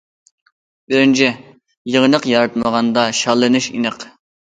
بىرىنچى، يېڭىلىق ياراتمىغاندا، شاللىنىش ئېنىق.